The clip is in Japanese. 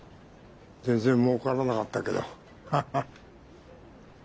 全然もうからなかったけどハハ。